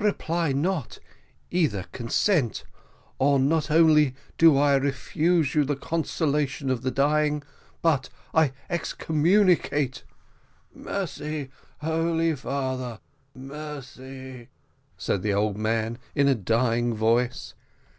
reply not: either consent, or not only do I refuse you the consolation of the dying, but I excommunicate " "Mercy, holy father mercy!" said the old man, in a dying voice.